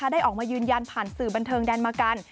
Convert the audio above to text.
ได้ออกมายืนยันผ่านสื่อบันเทิงแดนมากัน